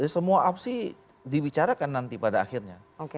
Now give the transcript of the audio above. semua opsi dibicarakan nanti pada akhirnya